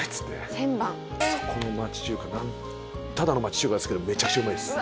そこの町中華ただの町中華ですけどめちゃくちゃうまいです。